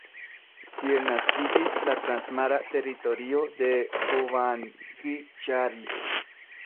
Tiel naskiĝis la Transmara Teritorio de Ubangi-Ŝari.